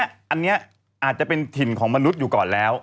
อันนี้อาจจะเป็นถิ่นของมนุษย์อยู่ก่อนแล้ว